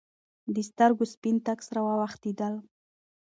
د سترګو سپین تک سره واوختېدل.